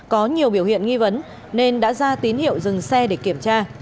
có nhiều biểu hiện nghi vấn nên đã ra tín hiệu dừng xe để kiểm tra